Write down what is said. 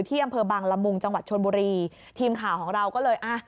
อำเภอบางละมุงจังหวัดชนบุรีทีมข่าวของเราก็เลยอ่ะ